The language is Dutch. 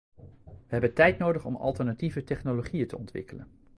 We hebben tijd nodig om alternatieve technologieën te ontwikkelen.